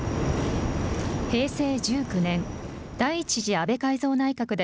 平成１９年、第１次安倍改造内閣で、